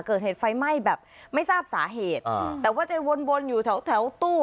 เกิดเหตุไฟไหม้แบบไม่ทราบสาเหตุอ่าแต่ว่าจะวนวนอยู่แถวแถวตู้